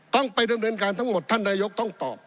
ต้องไปเริ่มเริ่มการทั้งหมดท่านไดโยคต้องตอบ